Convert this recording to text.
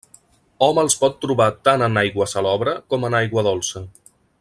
Hom els pot trobar tant en aigua salobre com en aigua dolça.